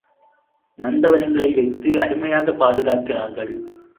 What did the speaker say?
நந்தவனங்களை வைத்து அருமையாகப் பாதுகாக்கிறார்கள்.